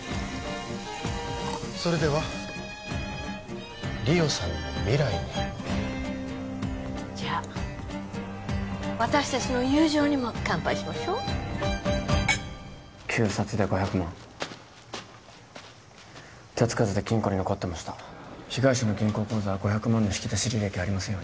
それでは梨央さんの未来にじゃあ私達の友情にも乾杯しましょ旧札で５００万手つかずで金庫に残ってました被害者の銀行口座は５００万の引き出し履歴ありませんよね？